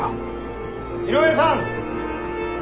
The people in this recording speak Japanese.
井上さん！